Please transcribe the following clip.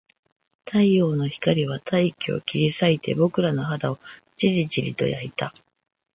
太陽の光は大気を切り裂いて、僕らの肌をじりじりと焼いた